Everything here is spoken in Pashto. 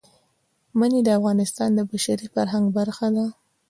منی د افغانستان د بشري فرهنګ برخه ده.